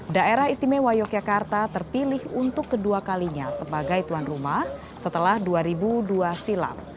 daerah istimewa yogyakarta terpilih untuk kedua kalinya sebagai tuan rumah setelah dua ribu dua silam